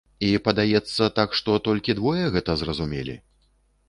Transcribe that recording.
І, падаецца, так што, толькі двое гэта зразумелі?